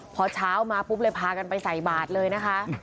พอเช้ามาปุ๊บเลยพากันไปใส่บาทเลยนะคะ